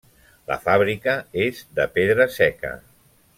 La fàbrica és de pedra seca.